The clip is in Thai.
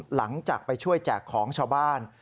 หลังจากไปช่วยแจกของชาวบ้าน